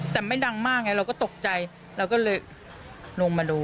แต่ไม่ดังมากไงเราก็ตกใจเราก็เลยลงมาดู